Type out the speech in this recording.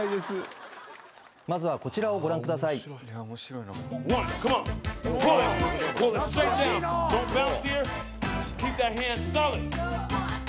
まずはこちらをご覧くださいワンカモン！